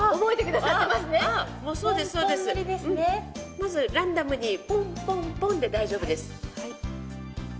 まずランダムにポンポンポンで大丈夫です。